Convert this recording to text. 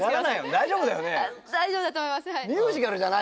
大丈夫だと思います